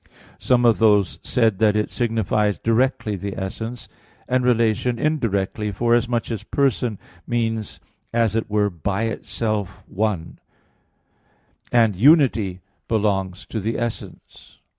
Some of these said that it signifies directly the essence, and relation indirectly, forasmuch as "person" means as it were "by itself one" [per se una]; and unity belongs to the essence.